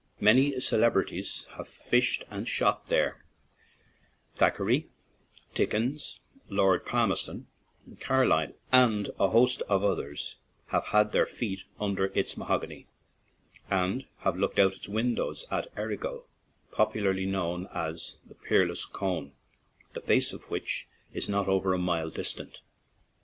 Many celebrities have fished and shot there — Thackeray, Dickens, Lord Palmerston, Car lyle, and a host of others have had their feet under its mahogany and have looked out of its windows at Errigal, popularly known as the "peerless cone/' the base of which is not over a mile distant.